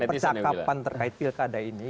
percakapan terkait pilkada ini